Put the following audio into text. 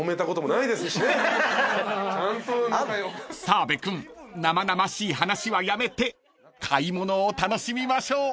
［澤部君生々しい話はやめて買い物を楽しみましょう］